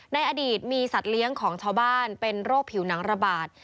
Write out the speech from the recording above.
ในอดีตมีสัตว์เลี้ยงของชาวบ้านเป็นโรคผิวหนังระบาด